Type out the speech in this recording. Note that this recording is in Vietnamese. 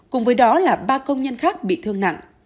cùng với đó là ba công nhân khác bị thương nặng